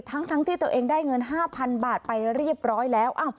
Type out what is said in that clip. ทั้งที่ตัวเองได้เงิน๕๐๐๐บาทไปเรียบร้อยแล้ว